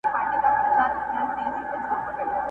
غټي داړي یې ښکاره کړې په خندا سو٫